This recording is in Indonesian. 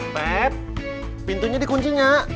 pep pintunya di kuncinya